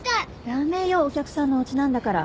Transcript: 駄目よお客さんのお家なんだから。